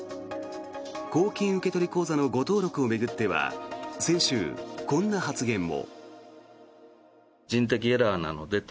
公金受取口座の誤登録を巡っては先週、こんな発言も。